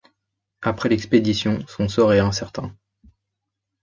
Après l'expédition, son sort est incertain.